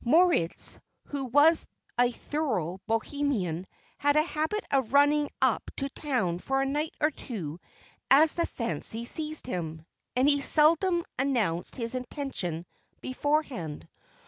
Moritz, who was a thorough Bohemian, had a habit of running up to town for a night or two as the fancy seized him, and he seldom announced his intention beforehand.